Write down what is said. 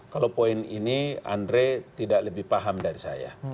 kalau poin ini andre tidak lebih paham dari saya